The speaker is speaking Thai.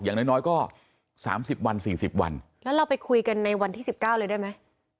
อย่างน้อยน้อยก็สามสิบวันสี่สิบวันแล้วเราไปคุยกันในวันที่สิบเก้าเลยได้ไหม